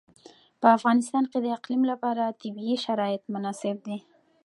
په افغانستان کې د اقلیم لپاره طبیعي شرایط مناسب دي.